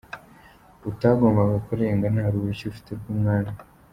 utagombaga kurenga nta ruhushya ufite rw’umwami.